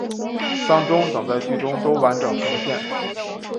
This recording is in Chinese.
丧钟等在剧中都完整呈现。